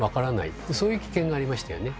そういう危険がありましたよね。